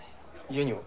家には？